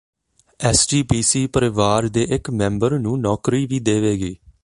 SGPC ਪਰਿਵਾਰ ਦੇ ਇਕ ਮੈਂਬਰ ਨੂੰ ਨੌਕਰੀ ਵੀ ਦੇਵੇਗੀ